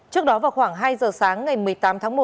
trước đó vào khoảng hai giờ sáng ngày một mươi tám tháng một